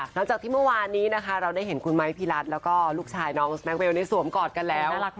หลังจากที่เมื่อวานนี้นะคะเราได้เห็นคุณไม้พี่รัฐแล้วก็ลูกชายน้องแมคเวลในสวมกอดกันแล้ว